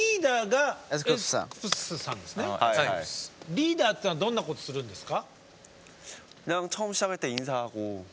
リーダーっていうのはどんなことするんですか？